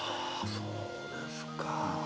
そうですか。